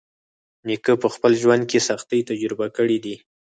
نیکه په خپل ژوند کې سختۍ تجربه کړې دي.